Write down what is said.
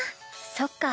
そっか。